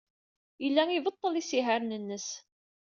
Yella ibeṭṭel isihaṛen-nnes.